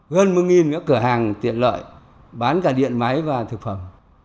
gần một nửa cửa hàng tiện lợi bán cả điện máy và thực phẩm